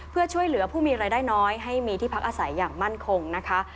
เพื่อช่วยเหลือผู้มีรายได้น้อยให้มีที่พักอาศัยอย่างมั่นคงนะคะ